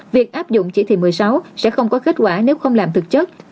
việc áp dụng chỉ thị một mươi sáu sẽ không có kết quả nếu không làm thực chất